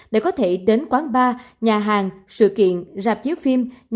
để có thể đến quán bar nhà hàng sự kiện rạp chiếu phim